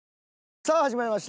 さあ始まりました。